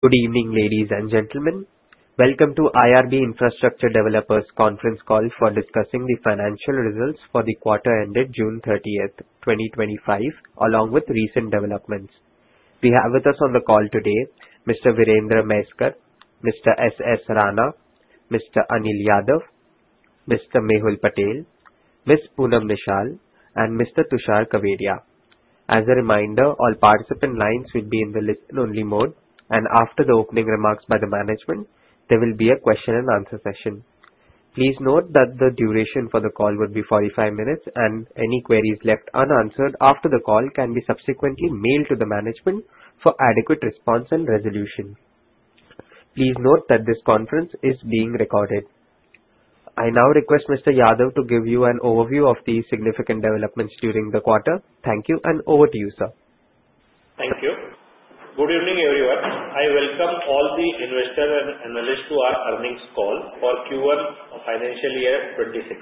Good evening, ladies and gentlemen. Welcome to IRB Infrastructure Developers conference call for discussing the financial results for the quarter ended June 30, 2025, along with recent developments. We have with us on the call today Mr. Virendra Mhaiskar, Mr. S S Rana, Mr. Anil Yadav, Mr. Mehul Patel, Ms. Poonam Nishal, and Mr. Tushar Kawedia. As a reminder, all participant lines will be in the listen-only mode, and after the opening remarks by the management, there will be a question-and-answer session. Please note that the duration for the call will be 45 minutes, and any queries left unanswered after the call can be subsequently mailed to the management for adequate response and resolution. Please note that this conference is being recorded. I now request Mr. Yadav to give you an overview of the significant developments during the quarter. Thank you, and over to you, sir. Thank you. Good evening, everyone. I welcome all the investors and analysts to our earnings call for Q1 of financial year 2026.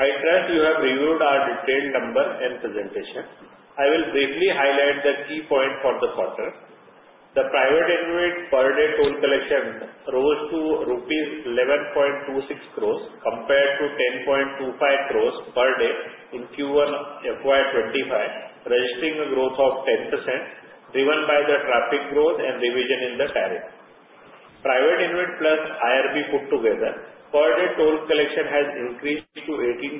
I trust you have reviewed our detailed numbers and presentation. I will briefly highlight the key points for the quarter. The Private InvIT per day toll collection rose to rupees 11.26 crores compared to 10.25 crores per day in Q1 FY 2025, registering a growth of 10% driven by the traffic growth and revision in the tariff. Private InvIT plus IRB put together, per day toll collection has increased to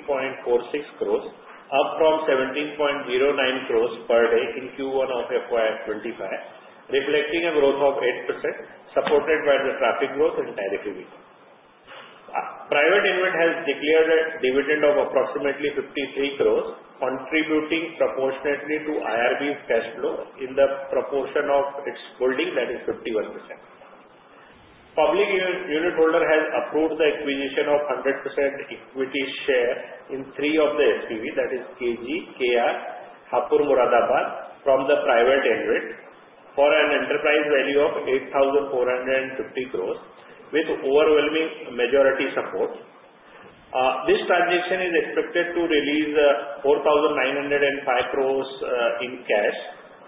18.46 crores, up from 17.09 crores per day in Q1 of FY 2025, reflecting a growth of 8% supported by the traffic growth and tariff revision. Private InvIT has declared a dividend of approximately 53 crores, contributing proportionately to IRB's cash flow in the proportion of its holding, that is 51%. Public unit holder has approved the acquisition of 100% equity share in three of the SPV, that is KG, KR, and Hapur-Moradabad, from the Private InvIT for an enterprise value of 8,450 crores, with overwhelming majority support. This transaction is expected to release 4,905 crores in cash.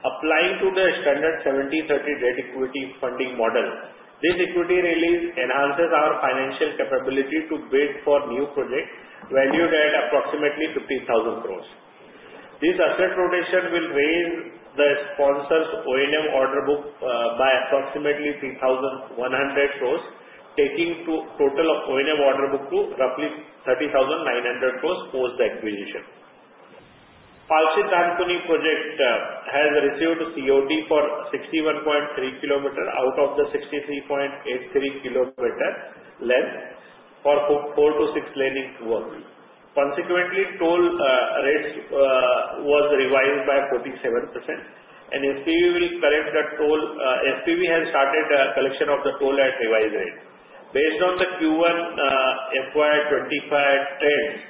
Applying to the standard 70/30 debt-equity funding model, this equity release enhances our financial capability to bid for new projects valued at approximately 15,000 crores. This asset rotation will raise the sponsor's O&M order book by approximately 3,100 crores, taking the total of O&M order book to roughly 30,900 crores post the acquisition. Palsit-Dankuni project has received COD for 61.3 km out of the 63.83 km length for 4 to 6 laning work. Consequently, toll rates were revised by 47%, and SPV will collect the toll. SPV has started collection of the toll at revised rate. Based on the Q1 FY 2025 trends,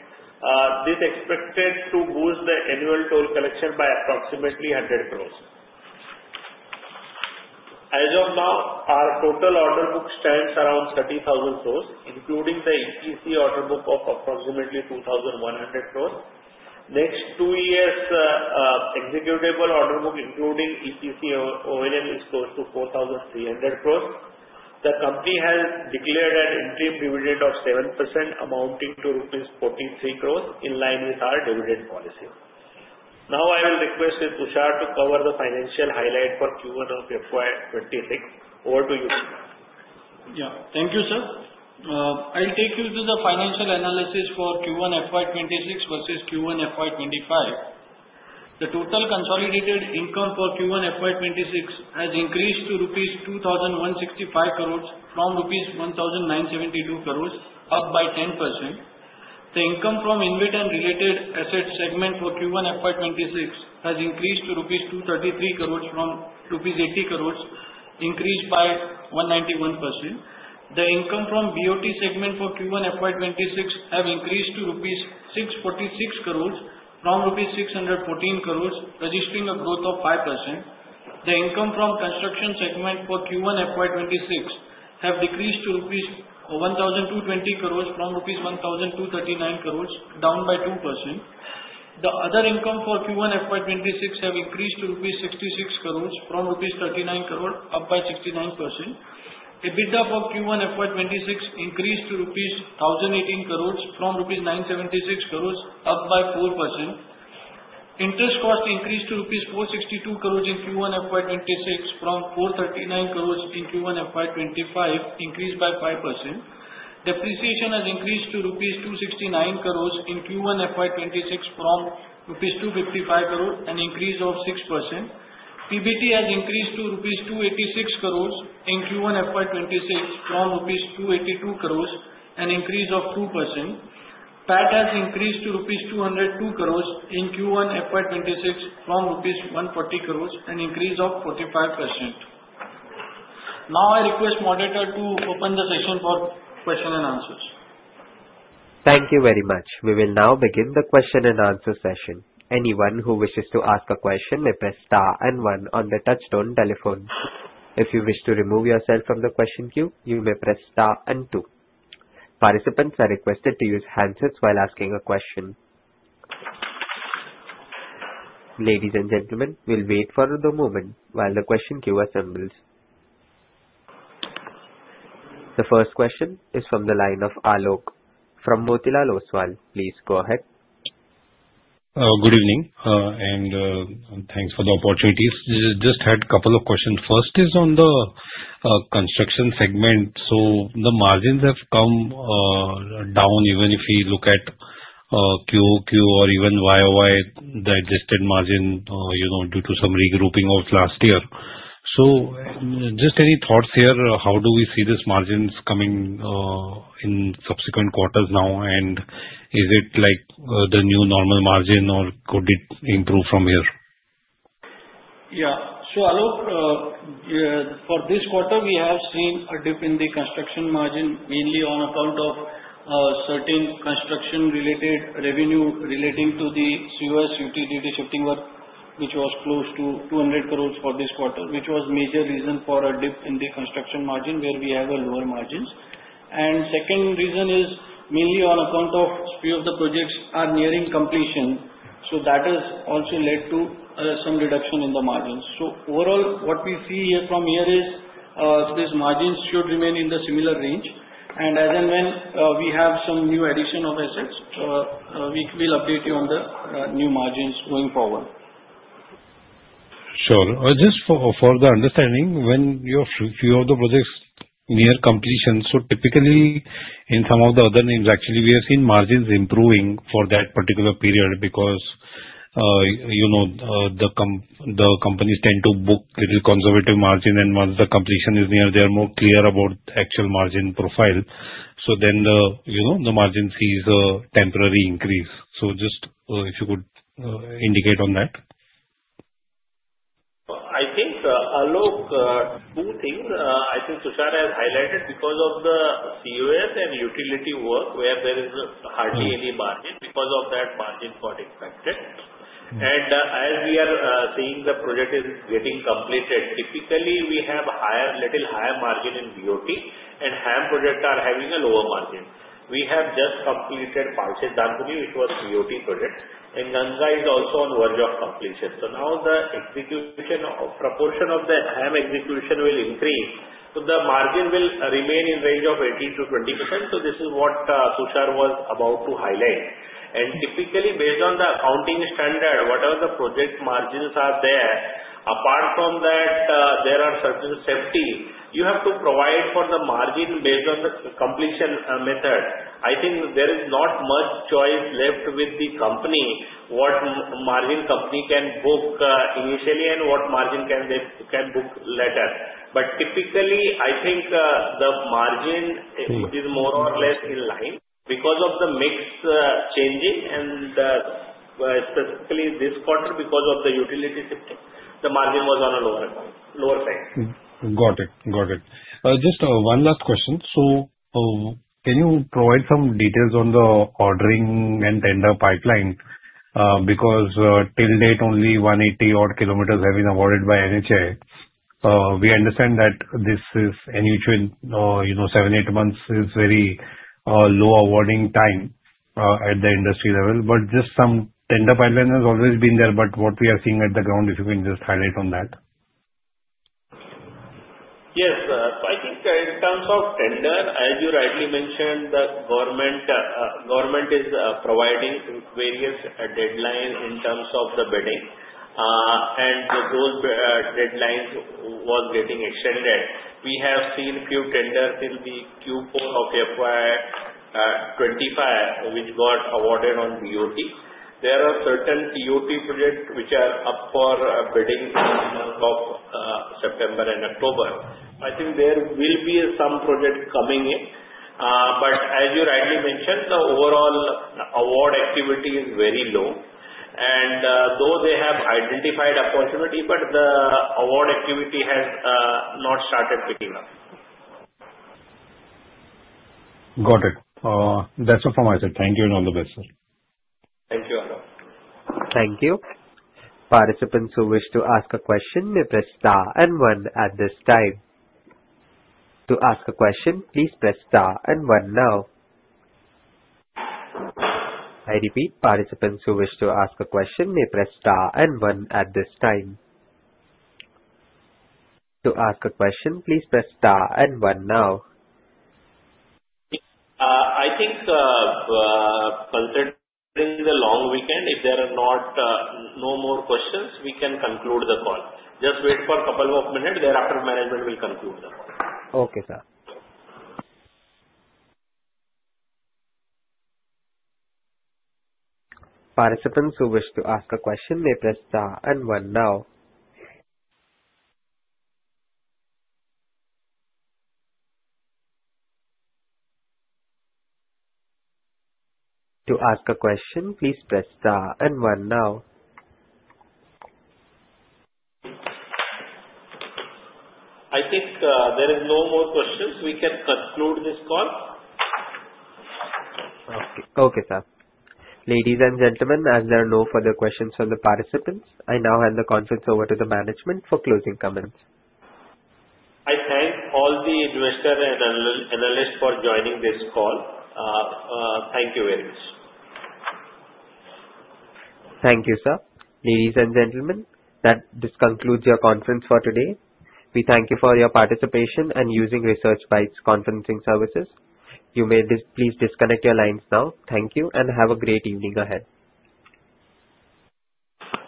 this is expected to boost the annual toll collection by approximately 100 crores. As of now, our total order book stands around 30,000 crores, including the EPC order book of approximately 2,100 crores. Next two years' executable order book, including EPC O&M, is close to 4,300 crores. The company has declared an interim dividend of 7% amounting to rupees 43 crores, in line with our dividend policy. Now, I will request Tushar to cover the financial highlight for Q1 of FY 2026. Over to you, sir. Yeah, thank you, sir. I'll take you to the financial analysis for Q1 FY 2026 versus Q1 FY 2025. The total consolidated income for Q1 FY 2026 has increased to rupees 2,165 crores from rupees 1,972 crores, up by 10%. The income from InvIT and related asset segment for Q1 FY 2026 has increased to rupees 233 crores from rupees 80 crores, increased by 191%. The income from BOT segment for Q1 FY 2026 has increased to 646 crores rupees from 614 crores rupees, registering a growth of 5%. The income from construction segment for Q1 FY 2026 has decreased to rupees 1,220 crores from rupees 1,239 crores, down by 2%. The other income for Q1 FY 2026 has increased to rupees 66 crores from rupees 39 crores, up by 69%. EBITDA for Q1 FY 2026 increased to rupees 1,018 crores from rupees 976 crores, up by 4%. Interest cost increased to rupees 462 crores in Q1 FY 2026 from 439 crores in Q1 FY 2025, increased by 5%. Depreciation has increased to rupees 269 crores in Q1 FY 2026 from rupees 255 crores, an increase of 6%. PBT has increased to rupees 286 crores in Q1 FY 2026 from rupees 282 crores, an increase of 2%. PAT has increased to rupees 202 crores in Q1 FY 2026 from rupees 140 crores, an increase of 45%. Now, I request the moderator to open the session for questions and answers. Thank you very much. We will now begin the question and answer session. Anyone who wishes to ask a question may press star and one on the touch-tone telephone. If you wish to remove yourself from the question queue, you may press star and two. Participants are requested to use handsets while asking a question. Ladies and gentlemen, we'll wait for the moment while the question queue assembles. The first question is from the line of Alok from Motilal Oswal. Please go ahead. Good evening, and thanks for the opportunities. Just had a couple of questions. First is on the construction segment. So the margins have come down, even if we look at QoQ or even YoY, the adjusted margin due to some regrouping of last year. So just any thoughts here? How do we see these margins coming in subsequent quarters now? And is it like the new normal margin, or could it improve from here? Yeah. So Alok, for this quarter, we have seen a dip in the construction margin, mainly on account of certain construction-related revenue relating to the COS utility shifting work, which was close to 200 crores for this quarter, which was a major reason for a dip in the construction margin, where we have lower margins. And the second reason is mainly on account of a few of the projects nearing completion. So that has also led to some reduction in the margins. So overall, what we see from here is these margins should remain in the similar range. And as and when we have some new addition of assets, we will update you on the new margins going forward. Sure. Just for the understanding, when a few of the projects near completion, so typically in some of the other names, actually, we have seen margins improving for that particular period because the companies tend to book a little conservative margin, and once the completion is near, they are more clear about the actual margin profile. So then the margin sees a temporary increase. So just if you could indicate on that. I think, Alok, two things. I think Tushar has highlighted because of the COS and utility work, where there is hardly any margin because of that margin for expected, and as we are seeing, the project is getting completed. Typically, we have a little higher margin in BOT, and HAM projects are having a lower margin. We have just completed Palsit-Dankuni, which was a BOT project, and Ganga is also on the verge of completion, so now the execution proportion of the HAM execution will increase. So the margin will remain in the range of 18%-20%. So this is what Tushar was about to highlight, and typically, based on the accounting standard, whatever the project margins are there, apart from that, there are certain safeties. You have to provide for the margin based on the completion method. I think there is not much choice left with the company, what margin the company can book initially and what margin can book later, but typically, I think the margin is more or less in line because of the mix changing, and specifically this quarter, because of the utility shifting, the margin was on a lower side. Got it. Got it. Just one last question. So can you provide some details on the ordering and tender pipeline? Because till date, only 180-odd km have been awarded by NHAI. We understand that this is annuity; seven, eight months is a very low awarding time at the industry level. But just some tender pipeline has always been there. But what we are seeing at the ground, if you can just highlight on that. Yes. I think in terms of tender, as you rightly mentioned, the government is providing various deadlines in terms of the bidding, and those deadlines were getting extended. We have seen a few tenders in the Q4 of FY 2025, which got awarded on BOT. There are certain TOT projects which are up for bidding in the month of September and October. I think there will be some projects coming in, but as you rightly mentioned, the overall award activity is very low, and though they have identified opportunity, the award activity has not started picking up. Got it. That's all from my side. Thank you, and all the best, sir. Thank you, Alok. Thank you. Participants who wish to ask a question may press Star and 1 at this time. To ask a question, please press star and one now. I repeat, participants who wish to ask a question may press star and one at this time. To ask a question, please press star and one now. I think considering the long weekend, if there are no more questions, we can conclude the call. Just wait for a couple of minutes. Thereafter, management will conclude the call. Okay, sir. Participants who wish to ask a question may press star and one now. To ask a question, please press star and one now. I think there are no more questions. We can conclude this call. Okay. Okay, sir. Ladies and gentlemen, as there are no further questions from the participants, I now hand the conference over to the management for closing comments. I thank all the investors and analysts for joining this call. Thank you very much. Thank you, sir. Ladies and gentlemen, that this concludes your conference for today. We thank you for your participation and using ResearchBytes's conferencing services. You may please disconnect your lines now. Thank you, and have a great evening ahead.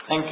Thank you.